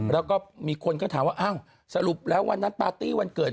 แล้วก็มีคนก็ถามว่าอ้าวสรุปแล้ววันนั้นปาร์ตี้วันเกิด